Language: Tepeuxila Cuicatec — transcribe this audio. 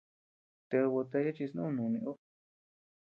¡Ted botella chi snú nuni ú!